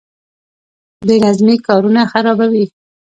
بې نظمي کارونه خرابوي